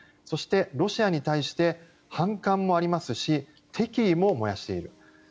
そして、ロシアに対して反感もありますし敵意も燃やしている。